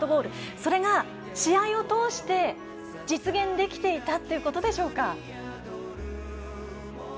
それが、試合を通して実現できていたということでしょうか。